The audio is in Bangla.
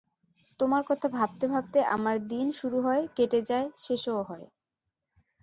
তোমার কথা ভাবতে ভাবতে আমার দিন শুরু হয়, কেটে যায়, শেষও হয়।